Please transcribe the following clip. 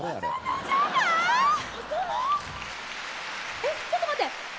えっちょっと待って！